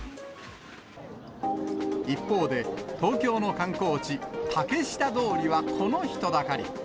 一方で、東京の観光地、竹下通りはこの人だかり。